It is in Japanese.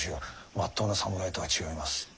まっとうな侍とは違います。